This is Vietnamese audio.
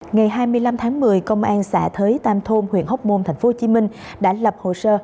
ngày hai mươi năm tháng một mươi công an xã thới tam thôn huyện hóc môn tp hcm đã lập hồ sơ